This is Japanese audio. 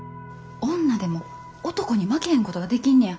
女でも男に負けへんことができんねや。